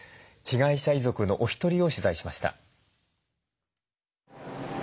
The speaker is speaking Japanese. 被害者遺族のお一人を取材しました。